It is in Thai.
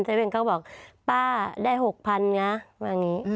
เว่นก็บอกป้าได้๖๐๐๐นะว่าอย่างนี้